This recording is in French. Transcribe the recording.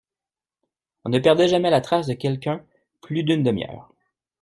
On ne perdait jamais la trace de quelqu’un plus d’une demi-heure.